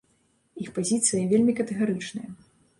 Іх пазіцыя вельмі катэгарычная.